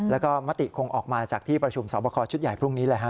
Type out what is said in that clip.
แล้วก็มติคงออกมาจากที่ประชุมสอบคอชุดใหญ่พรุ่งนี้แหละฮะ